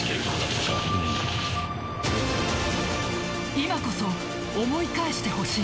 今こそ、思い返してほしい。